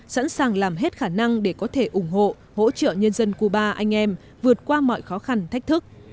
sẵn sàng làm hết khả năng để có thể ủng hộ hỗ trợ nhân dân cuba anh em vượt qua mọi khó khăn thách thức